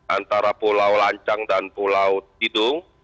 antara pulau lancang dan pulau tidung